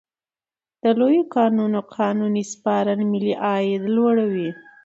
د لویو کانونو قانوني سپارل ملي عاید لوړوي.